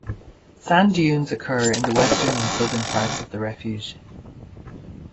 Sand dunes occur in the western and southern parts of the refuge.